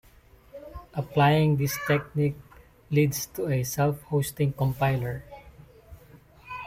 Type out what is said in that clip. Applying this technique leads to a self-hosting compiler.